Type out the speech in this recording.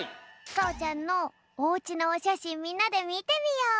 かおちゃんのおうちのおしゃしんみんなでみてみよう！